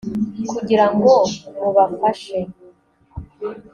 kugira ngo mubafashe